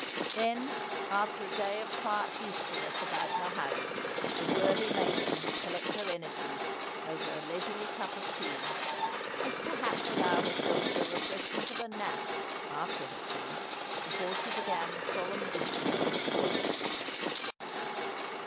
Then after a day of quiet usefulness about her house the worthy matron would collect her energies over a leisurely cup of tea, and perhaps allow herself the refreshment of a nap after her tea, before she began the solemn business of the toilet.